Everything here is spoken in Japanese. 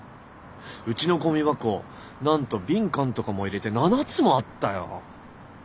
うちのごみ箱何と瓶缶とかも入れて７つもあったよ。